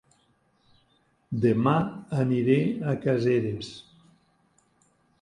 Dema aniré a Caseres